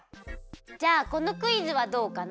じゃあこのクイズはどうかな？